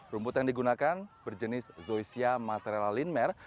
rumput yang digunakan berjenis zoysia material linmer